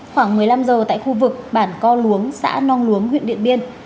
khoảng một mươi năm giờ tại khu vực bản co luống xã nong luống huyện điện biên